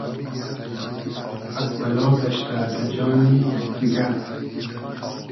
پئگ بئلا گئشتۂ دۂ جانی یئگ دیگۂ